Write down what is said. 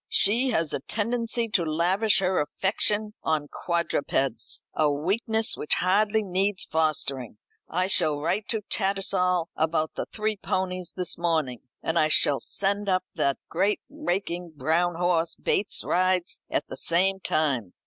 "She has a tendency to lavish her affection on quadrupeds a weakness which hardly needs fostering. I shall write to Tattersall about the three ponies this morning; and I shall send up that great raking brown horse Bates rides at the same time.